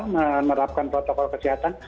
menerapkan protokol kesehatan